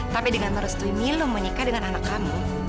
tapi dengan merestui milu menikah dengan anak kamu